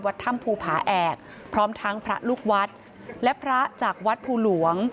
ถ้ำภูผาแอกพร้อมทั้งพระลูกวัดและพระจากวัดภูหลวง